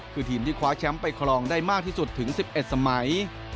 คือทีมที่คว้าแชมป์ไปครองได้มากที่สุดถึง๑๑สมัย